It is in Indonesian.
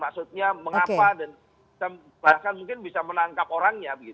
maksudnya mengapa dan bahkan mungkin bisa menangkap orangnya